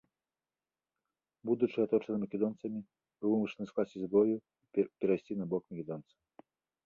Будучы аточаным македонцамі, быў вымушаны скласці зброю і перайсці на бок македонцаў.